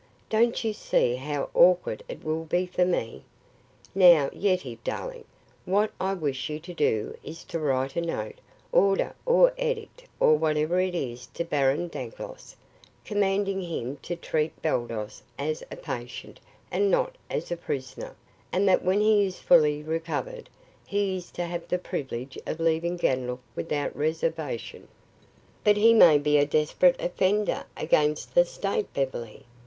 Don't you see how awkward it will be for me? Now, Yetive, darling, what I wish you to do is to write a note, order or edict or whatever it is to Baron Dangloss, commanding him to treat Baldos as a patient and not as a prisoner; and that when he is fully recovered he is to have the privilege of leaving Ganlook without reservation." "But he may be a desperate offender against the state, Beverly."